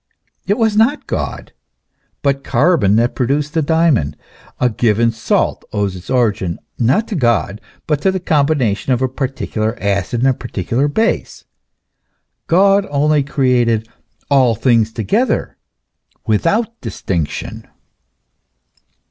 It was not God, but carbon, that produced the diamond ; a given salt owes its origin, not to God, but to the combination of a particular acid with a par ticular base. God only created all things together without distinction.